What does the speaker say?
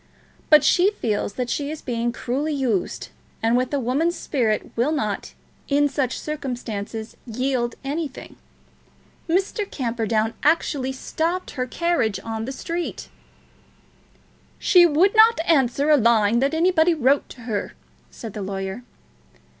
But she feels that she is being cruelly used, and with a woman's spirit will not, in such circumstances, yield anything. Mr. Camperdown actually stopped her carriage in the street." "She would not answer a line that anybody wrote to her," said the lawyer.